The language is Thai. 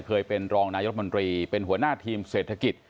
เคยเป็นรองนายรัฐมนตรีเป็นหัวหน้าทีมเศรษฐกิจ